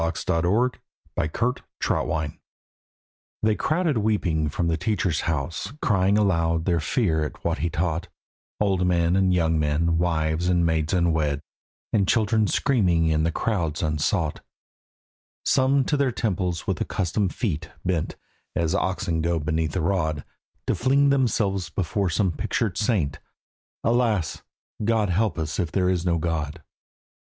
AN IMPERFECT REVOLUTION They crowded weeping from the teacher's house, Crying aloud their fear at what he taught, Old men and young men, wives and maids unwed, And children screaming in the crowds unsought: Some to their temples with accustomed feet Bent—as the oxen go beneath the rod, To fling themselves before some pictured saint, "Alas! God help us if there is no God."